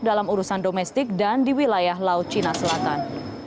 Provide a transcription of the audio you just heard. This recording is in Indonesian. dalam urusan domestik dan di wilayah laut cina selatan